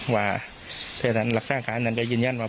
ว่าเพราะฉะนั้นหลักศาสตร์ขาลฯนั่นก็ยืนยันว่า